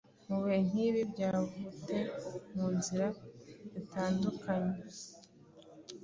Mubihe nkibi byavute munzira zitandukanye